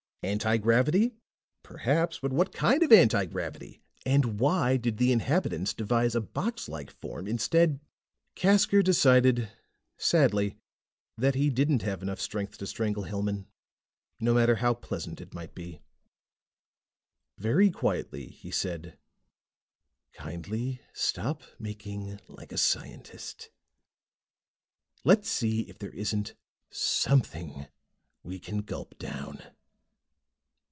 Anti gravity? Perhaps, but what kind of anti gravity? And why did the inhabitants devise a boxlike form instead " Casker decided sadly that he didn't have enough strength to strangle Hellman, no matter how pleasant it might be. Very quietly, he said, "Kindly stop making like a scientist. Let's see if there isn't something we can gulp down."